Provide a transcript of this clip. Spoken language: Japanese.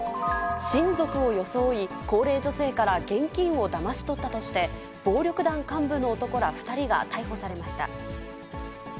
親族を装い、高齢女性から現金をだまし取ったとして、暴力団幹部の男ら２人が逮捕されました。